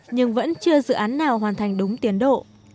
nhưng vẫn chưa dự án nào hoàn thành đúng tiến độ